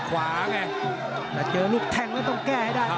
ขวาไงแต่เจอนิดแทงก็ต้องแก้ให้ได้